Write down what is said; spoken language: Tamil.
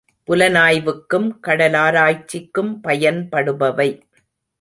புலனாய்வுக்கும் கடலாராய்ச்சிக்கும் பயன்படுபவை.